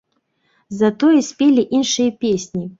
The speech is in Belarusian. Затое спелі іншыя песні.